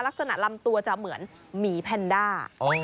ลักษณะลำตัวจะเหมือนหมีแพนด้า